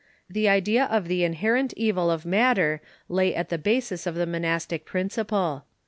The idea of the inherent evil of matter lay at the basis of the monastic principle.